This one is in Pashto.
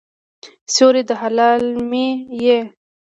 سیوری د هلال مې یې